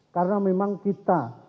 karena memang kita